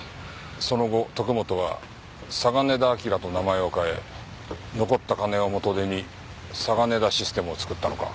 その後徳本は嵯峨根田輝と名前を変え残った金を元手にサガネダ・システムを作ったのか。